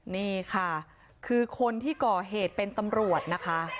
นี่ค่ะคือคนที่ก่อเหตุเป็นตำรวจนะคะ